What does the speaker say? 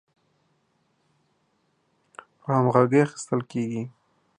په همغږۍ اخیستل کیږي